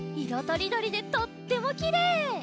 とりどりでとってもきれい！